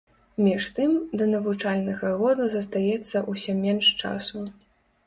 Між тым, да навучальнага году застаецца ўсё менш часу.